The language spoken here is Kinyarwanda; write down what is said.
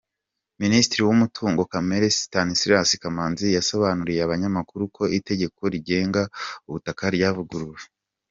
Minisitiri w’umutungo kamere Sitanislas Kamanzi yasobanuriye abanyamakuru ko itegeko rigenga ubutaka ryavuguruwe.